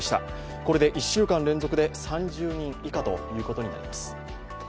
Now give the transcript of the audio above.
これで１週間連続で３０人以下ということになります。